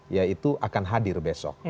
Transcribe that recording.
yaitu akan hadir besok